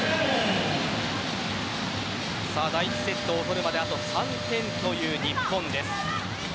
第１セットを取るまであと３点という日本です。